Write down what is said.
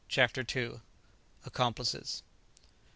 ] CHAPTER II. ACCOMPLICES.